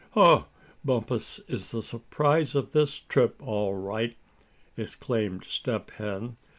"Oh! Bumpus is the surprise of this trip, all right!" exclaimed Step Hen.